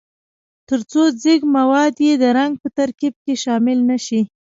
ترڅو ځیږ مواد یې د رنګ په ترکیب کې شامل نه شي.